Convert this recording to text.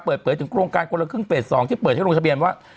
เปิดเผยถึงโครงการคนละครึ่งเฟส๒ที่เปิดให้ลงทะเบียนว่า